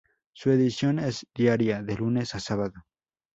Su edición es diaria, de lunes a sábado.